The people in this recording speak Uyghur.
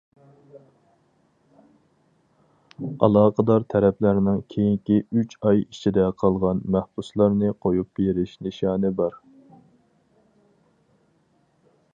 ئالاقىدار تەرەپلەرنىڭ كېيىنكى ئۈچ ئاي ئىچىدە قالغان مەھبۇسلارنى قويۇپ بېرىش نىشانى بار.